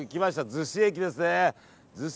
逗子駅ですね。